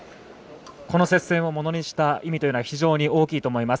この接戦をものにした意味というのは非常に大きいと思います。